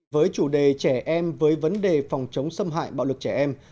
với chủ đề trẻ em với vấn đề phòng chống xâm hại bạo lực trẻ em